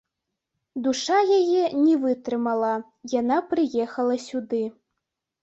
Душа яе не вытрымала, яна прыехала сюды.